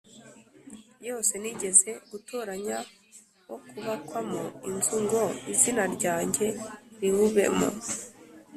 yose nigeze gutoranya wo kubakwamo inzu ngo izina ryanjye riwubemo